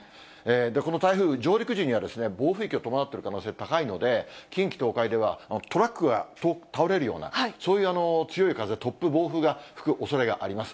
この台風、上陸時には暴風域を伴っている可能性高いので、近畿、東海ではトラックが倒れるような、そういう強い風、突風、暴風が吹くおそれがあります。